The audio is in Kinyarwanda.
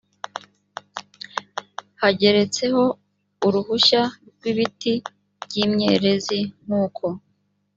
hageretseho uruhushya rw ibiti by imyerezi nk uko